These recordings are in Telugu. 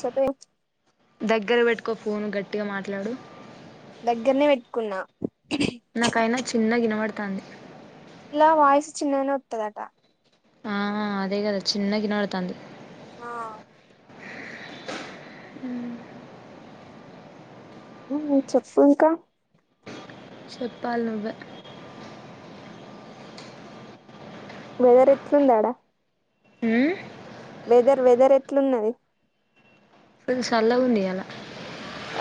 చెప్పే దెగ్గర పెట్టుకో ఫోను గట్టిగా మాట్లాడు దెగ్గర్నే పెట్టుకున్నా నా కైనా చిన్నగిన వడుతాంది ఇలా వాయస్ చిన్ననే ఒత్తదట ఆ అదే గదా చిన్న గినవడతాంది ఆ చెప్పు ఇంకా చెప్పాల్ నువ్వే వెదర్ ఎట్లుందాడా? ఉమ్ వెదర్ వెదర్ ఎట్లున్నది? ఫుల్ చల్ల ఉంది ఇయాల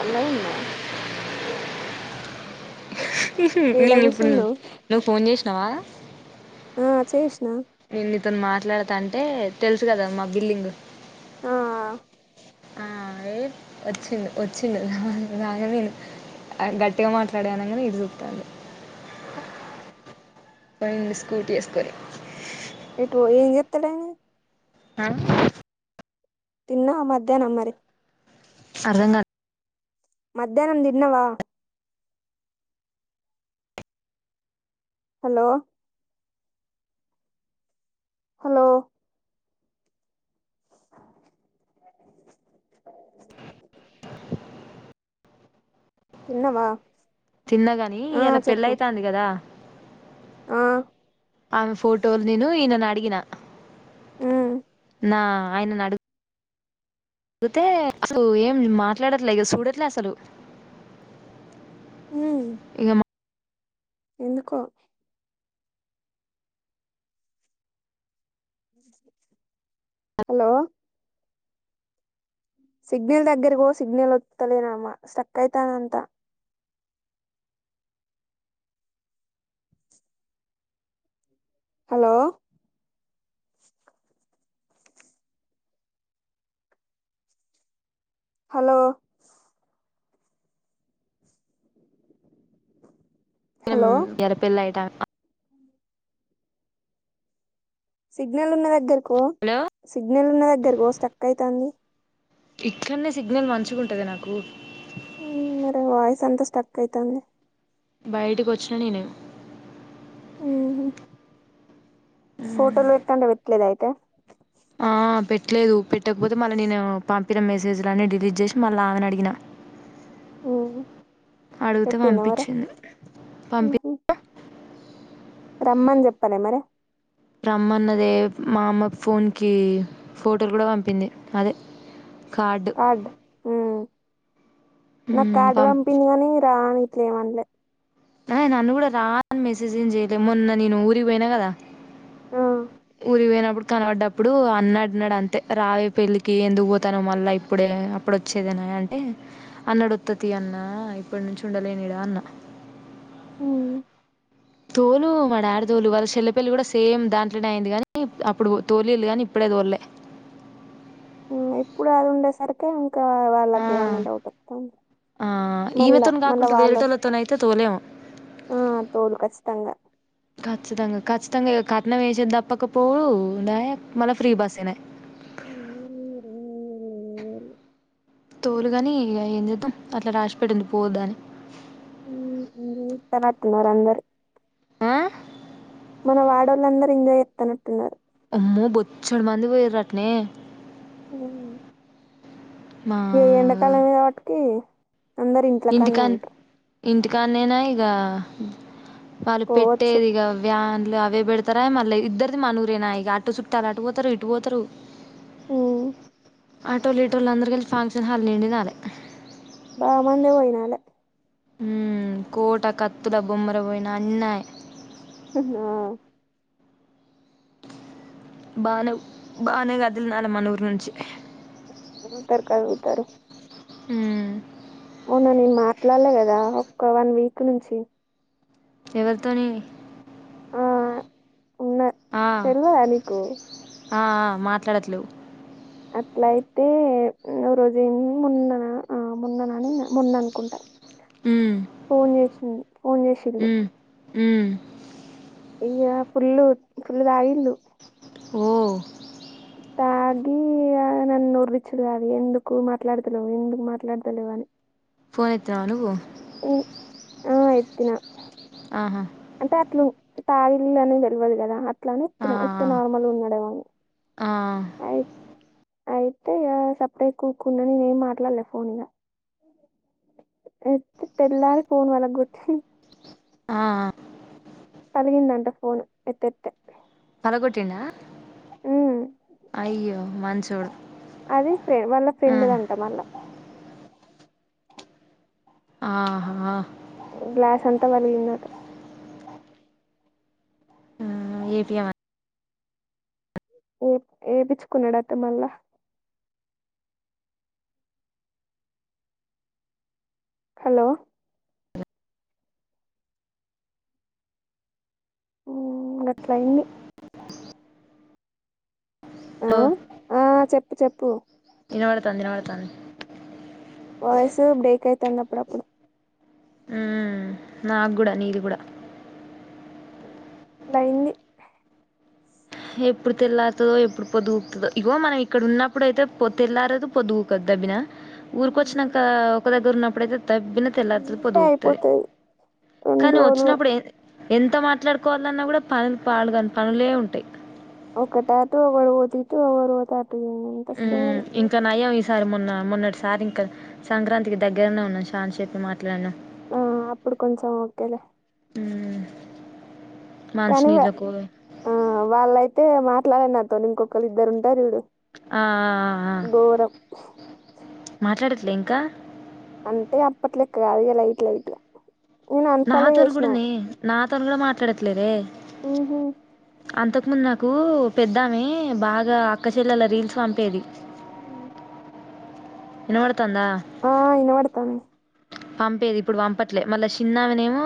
అల్లా ఉందా ఏడ నేను ఇప్పుడు కూసున్నావ్ నువ్వు ఫోన్ జేశి నవా ఆ చేశ్ విన్ని అతను మాట్లాడతా అంటే తెలుసు గద మా బిల్లింగ్ ఆ ఏ వచ్చిండు వచ్చిండులాగా నేను గట్టిగా మాట్లాడానగా ఇటు చూత్తాండు ఆ పోయింది స్కూటీఏస్కొని బో ఏం చెత్తడు ఆ? తిన్నవా మధ్యాహ్నమ్ మరి అర్ధంగాల్ మధ్యాహ్నం దిన్నవా? హలో హలో తిన్నవా తిన్నగాని ఇయలా పెళ్ళైయ్ తాంది కదా. ఆ ఆమె ఫోటోలు నేను ఈయనను అడిగిన ఉ నా ఆయనన్ అడు తే అసలు ఏం మాట్లాడట్లే ఇగ చూడట్లే అసలు ఉమ్ ఇగమ్ ఎందుకో హలో సిగ్నల్ దగ్గరికి పో సిగ్నల్ వత్తలేనమ్మ స్టక్ అయితానంత హలో హలో రం హలో ఇయల పెళ్ళైత సిగ్నల్ ఉన్న దగ్గర్ కో సిగ్నల్ నున్న దగ్గర కో స్టక్ అయితాంది. ఇట్లన్నే సిగ్నల్ మంచిగుంటది నాకు మరె వాయిస్ అంతా స్టక్ అయ్ తాంది. బైటికి వచ్చిన నేనేను ఉహు ఫోటోలు ఎట్టంటే పేట్లేద ఐతే ఆ పెట్లేదు పెట్టకపోతే మళ్ళీ నేను పంపిన మెసేజ్లు అన్నీ డిలీట్ చేసి మళ్ళా ఆమెని అడిగిన ఓ అడుగితే పంపించింది, పంపి రమ్మని చెప్పాలె మరి రమ్మన్నదే మా అమ్మ ఫోన్ కి ఫోటోలు కూడా పంపింది అదే కార్డు కాడ్డ్, ఉ నాకు కాడ్డు పంపి పంపింది కాని రాణి ట్లేం అన్లే నాయ్ నన్ను కూడా రా ని మెసేజ్ లు చేయలెమ్ మొన్న నేను ఊరిగిపోయినా కదా. ఆ ఊరి పోయినప్పుడు కనబడ్డప్పుడు అన్నఅడ్నడు అంతే రావే పెళ్లికి ఎందువు పోతనవ్ మళ్ళా ఇప్పుడే అప్పుడొచ్చేదనివే అంటే అన్న అడొత్తతీ అన్నా ఇప్పన్నుంచి ఉండలేను ఇడా అన్నా హు తోలు మా డాడ దోలు వాళ్ళ సెల్లిపెళ్ళి కూడా సేమ్ దాంట్లోనే అయింది కానీ అప్పుడు తోలిల్ కాని ఇప్పుడే తోల్లే ఉ ఇప్పుడు అది ఉండేసరికి ఇంకా ఆ వాళ్ళకి ఏమన్నా డౌట్ వత్త, ఆ మళ్ళా ఈమెతోని మళ్ళా కాకుండా వాళ్ళ, వేరేటోళ్ళతోని అయితే తోలేము ఆ తోలు కచ్చితంగా తంగా ఏవొ కట్నం ఏసేది దప్పకపో డాయె మళ్ళా ఫ్రీ బస్స్ ఎనె అ తోలుగాని ఇగ ఏం చేద్దాం, అట్లా రాసి పెడింది పోద్ద్ అని హు, త్తన నత్తినార్ అందరు ఆ మన వాడోళ్ళందరు ఎంజాయ్ చేత్తనట్టున్నారు. ఆమ్మో బొచ్చడు మంది పోయిర్ర్ రట్నే అవును మా ఏ ఎండకాలమ కాబటికి అందరు ఇంట్లకానే ఇంటికా ఉంటారు ఇంటికాన్నేనా ఇక వాళ్ళు పోవచ్చు పెట్టేదిక వ్యాన్ మళ్ళ అవే పెడతారా మళ్ళ ఇద్దరిది మానూరేనా ఇగా అటో చుట్టూ అలా అటు పోతారు ఇటు పోతారు ఉమ్ ఆటోలుటోలు అందరు గెలి ఫాంక్షన్ హాల్ నిన్డుగాల్ బామందే పోయినాల ఉమ్ కోట కత్తుల బొమ్మర పోయిన అన్నాయి హు హు ఆ బన బానగాదలు నాలమణూరి నుంచించి కధుల్తరు కధుల్తరు ఉమ్ అవునా నేను మాట్లాడలే కదా ఒక్క వన్ వీక్ నుంచి ఎవరితోని ఉన్న ఆ తెల్వధా నికు ఆ ఆ మాట్లాడలేవు అట్ల అయితే నువు రోజు ఏ మొన్న మొన్ననని మొన్న అనుకుంటాయి మ్మ్ ఫోన్ చేసింది ఫోన్ చేసిండు ఉమ్ ఇ్య ఫుల్లు ఫుల్లు తాగిండు ఓ తాగి ఆ నన్న ఉఊర్విచ్చలు అవి ఎందుకు మాట్లాడతులవ ఎందుకు మాట్లాడతలివని ఫోన్ ఎత్తవా నువ్వు ఊ ఆ ఎత్తిన ఆహా అంతే అత్లు ఇ తాగిందని తెల్వదు కదా అట్లా ఆ అని ఉత్ ఆ నార్మల్ గా ఉనాడు ఎమో ఆ అని అయితే ఇగా సపరేట్గా కూర్కున్నాని నే ఏం మాట్లాడలే ఫోన్ల తెల్లారి ఫోన్ పలగొట్టి కొట్టి ఆ ఆ పలికిందంటఅంట ఫోన్ ఎత్తతే పలగొట్టిండా అయ్యో మంచోడు అది ఫ్రె వాళ్ళ ఆ ఫ్రెండ్ది అంటా మళ్ళ ఆహా గ్లాస్ అంతా పలికిందంట ఏ పీ ఎం ఏ ఏపిచ్చుకున్నాడట్ట మళ్ళా హలో ఉ గట్లయింది ఆ ఆ చెప్పు చెప్పు ఇనబడతంది ఇనబడతంది. వాయిస్ బ్రేక్ అయితాంది అప్పుడప్పుడు హ్మ్ నాకు కూడా నీది కూడా అట్లయిది ఎప్పుడు తెల్లారుతుదో ఎప్పుడు పొదుగుతదో ఇగో మనం ఇక్కడ ఉన్నప్పుడు అయితే తెల్లారదు పొదుగుకదు దబ్బిన ఊరిక వచ్చాక ఒక [unintelligible] తబిన తెల్లతుది ఉంటే పొదుగుతుది అయిపోతది రెండు కానీ రోజులు వచ్చినప్పుడు ఏ ఎంత మాట్లాడుకోవాలన్నా కూడా పనులు పాలు కాని పనులే ఉంటాయి ఒకటాట ఒకరు పోతట్టు ఒకరుత ఇంకా నయం సారి మొన్న మొన్నటిసారి ఇంకా సంక్రాంతికి దగ్గరనే ఉన్నాను శాంత్ చెట్ మాట్లాడను ఆ అప్పుడు కొంచెం ఓకేలే అ కానీ ఆ వాళ్ళయితే మాత్ర ఇట్ల నాతోని ఇకొకళ్రు ఇద్దరు ఉంటారు ఇడు ఆ మాట్లాడట్లే ఇంకా అంటే అప్పట్లెక్క కాదు ఇ లైట్ లైట్ నేను అన్ఫాలో నాతలు చేసిన కూడాడ న నా తను కూడా మాట్లాడట్లేరే ఆహ అంతకుముందు నాకు పెద్దామే బాగా అక్కచల్లల రీల్స్ పంపేది అ ఇడు ఆ ఇను వాడతను పంపేది ఇప్పుడు పంపట్లే మళ్ళా చిన్నామనే ఏమో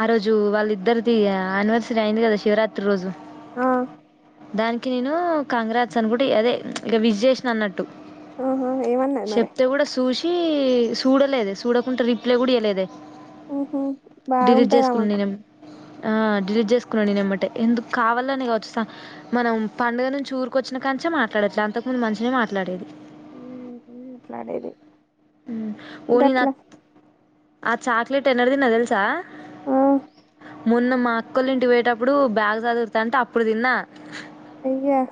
ఆ రోజు వాళ్ళిద్దరిది అనివర్సరీ అయింది కదా శివరాత్రి రోజు ఆ దానికి నేను కాంగ్రాజస్ అనుకు అదే ఇక విజేషన్ అన్నట్టు ఆహా ఏమన్నాయి మరి ఇ చూడలేదు చూడకుండా రిప్లై కూడా ఇయలేదదు ఉహ బాగుంటందా చేసుకున్నా మాకు నేనేం డిలీట్ చేసుకున్నాను నేనుమ్మటే ఎందుకు కావాలోని కావచ్చు స మనం పండుగ నుంచి ఊరిక వచ్చినా కానించే మాట్లాడట్లే అంతకుముందు మంచిననే మాట్లాడేది ఉట్లాడేది ని నా ఆ చాక్లేెట్ ఎన్నడు తిన్న తెల్సా ఆ మొన్న మా అక్కోల్ ఇంటికి పోయేటప్పుడు బ్యాగ్ సర్దుతంటే అంటే అప్పుడు తిన్నా అయ్యా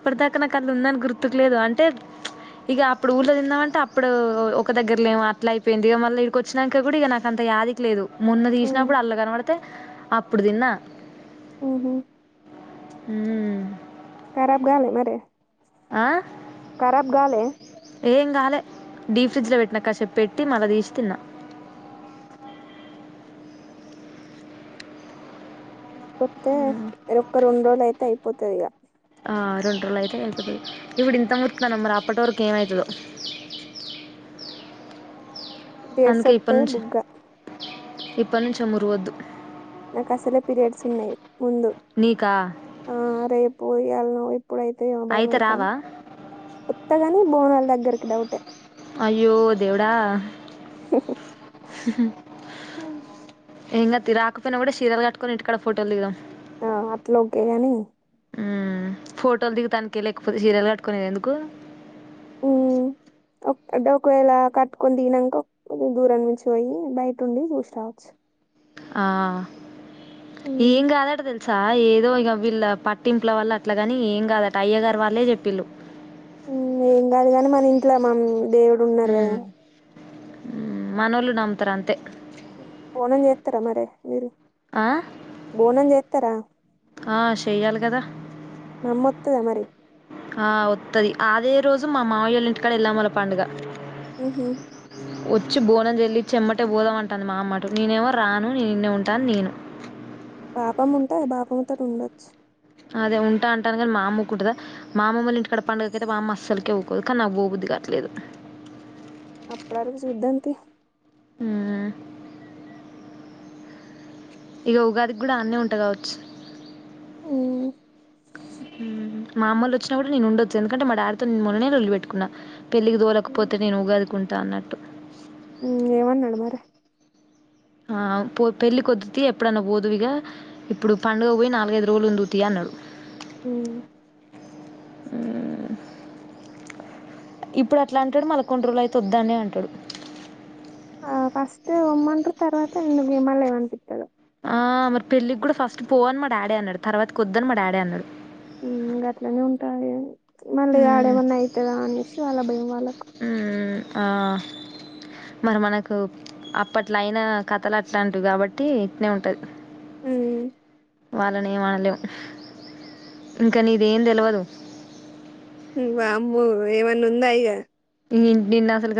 ఇప్పటి దాకా నాకు అన్ ఉందని గుర్తుకు లేదు అంటే ప్చ్ ఇగ అప్పుడు ఊళ్ళో తింద మంటే అప్పుడు ఒక దగ్గర్లేమో అట్లా అయిపోయింది ఇక మళ్ళ ఇక్కడికి వచ్చినాక కూడా ఇక నాకు అంత యాదికి లేదు మొన్న ఉమ్ తీసినప్పుడు అల్లా కనపడితే అప్పుడు తిన్నా ఓహో హుమ్ కరాబ్ గాలే మరి కరాబ్ గాలే ఏం కాలే డీ ఫ్రిడ్జ్ లో పెట్న కాసేపు పెట్టీ మల్ల దిస్ తిన్నా అవు ఉహ పోతే ఇ ఒక్క రెండు రోజులు అయితే అయ్ అయిపోతదిగా ఆ రెండు రోజులు అయితే అయిపోతది ఇప్పుడు ఇంత ముచ్తున్నాం మరి అప్పటి వరకు ఏమవ్ తదో డేట్స్ అందుకే ఇప్పటి వత్తే నుంచి బుగ్గ ఇప్పటి నుంచే అ మురవద్దు నా కసలే పిరియడ్స్ ఉన్నాయ్ ముందు నీకా ఆ రేపు పోయి అల్న పోయ్ ఇప్పుడైతే ఏమో భయం అయితే అవుతాంది రావా వత్తగాని బోనాల్ దగ్గరకి డౌటే అయ్యో దేవుడా హు హు ఏం కాద్ తీ రాకపోయినా గుడా సీరలు కట్టుకొని ఇంటికాడ ఫోటోలుదిగుదం ఆ అట్లోకే గాని మ్మ్ ఫోటోలు దిగతానికే లేకపోతే సీరలు కట్టుకునేది ఎందుకు ఊ ఒక్ ఒకవేళ కట్టుకొని దిగినంక దూరం నుంచి పోయి బయట ఉండి చూసి రావచ్చు ఆ ఉమ్ ఏం కాదట తెల్ సా ఏదో ఇక వీళ్ళ పట్టింపుల వల్ల అట్లగాని ఏం కాదట అయ్య గారు వాళ్ళే చెప్పిళ్ళు ఏం కాదుగాని మన ఇంట్ల మమ్ దేవుడు ఉన్నారు గదా మనోలు నమ్తరు అంతే బోనం చేస్తారా మరి మీరు ఆ బోనం చేతారా ఆ చెయ్యాలి కదా మమ్మొత్త మరి ఆ వత్తది అదే రోజు మా మావయళ ఇంటికాడ ఎళ్ళమ్మల పండుగ ఉహు వచ్చి బోనం చెల్లిచ్చ ఎమ్మటే బోధం అంటుంది మా అమ్మట నేనేమో రాను నేను ఈన్నే ఉంటాను నేను పాపం ఉంటాయి పాప అత ఉండొచ్చు అదే ఉంటా అంటాను కానీ మా అమ్మ ఉకుంటదా మా అమ్మమ్మల ఇంటికాడ పండుగయితే మామ్మ అస్సలుకే పోవ్వకూదు కానీ నాకు పోబుద్ది కాట్లేదు అప్పుడు అడుగు చూద్దాంది ఆ ఇగ ఉగాదికి కూడా అన్నే ఉంట కావచ్చు ఉమ్ ఉ మా అమ్మల్లు వచ్చినా కూడా నేను ఉండొచ్చు ఎందుకంటే మా డాడితో నేను మొన్ననే లొల్లి పెట్టుకున్నా పెళ్లికి తోకపోతే నేను ఉగాదికున్ తానట్టు ఉ ఏమన్నాడు మరి ఆ పో పెళ్లి కొద్దు తి ఎప్పుడన్నా పోదువిగా ఇప్పుడు పండుగ పోయి నాలుగైదు రోజులు ఉందుతి అన్నాడు ఉ ఉ ఇప్పుడు అప్పుడు అట్లాంటడు మల్ల కొన్ని రోజులు అయితే చూద్దానే అంటాడు ఆ ఫస్ట్ ఒమ్మంటరు తర్వాత ఇంగేమోలే పంపిత్తడు ఆ మరి పెళ్ళికి కూడా ఫస్ట్ పోవని మా డాడీ అన్నాడు తర్వాత కొద్దని మా డాడీ అన్నాడు ఉ గట్లనే ఉంటాయి మళ్ళీ మ్మ్ ఆడేమన్నా అవుతుందా అనేసి వాళ్ళ భయం వాళ్ళకు మ్మ్ ఆ మరి మనకు అప్పట్లో అయిన కథలు అట్లాంటివి కాబట్టి ఇట్నే ఉంటది ఉ వాళ్ళని ఏమనలేం ఇంకా నీది ఏం తెలవదు ఉ వామ్మో ఏమన్నా ఉందా ఇగ ఇ నిన్న అసలు